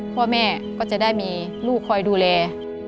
พ่อแม่ก็จะได้มีลูกคอยดูแล